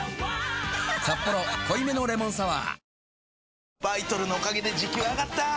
「サッポロ濃いめのレモンサワー」